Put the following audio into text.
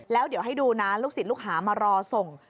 แล้วเดี๋ยวให้ดูนะลูกศิษย์ลูกหามารอส่ง